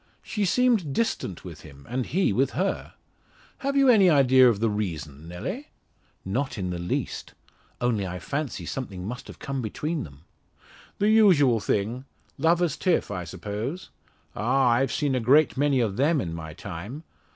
She seemed distant with him, and he with her. Have you any idea of the reason, Nelly?" "Not in the least. Only I fancy something must have come between them." "The usual thing; lover's tiff I suppose. Ah, I've seen a great many of them in my time.